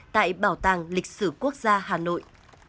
tại bảo tàng lịch sử quốc gia hà nội